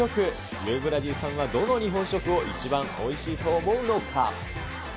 ユーブラジーさんはどの日本食を一番おいしいと思うのか。